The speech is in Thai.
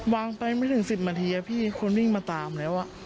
ไปไม่ถึง๑๐นาทีพี่คนวิ่งมาตามแล้ว